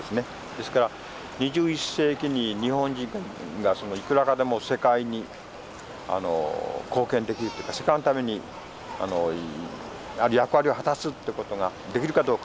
ですから２１世紀に日本人がいくらかでも世界に貢献できるというか世界のためにある役割を果たすってことができるかどうか。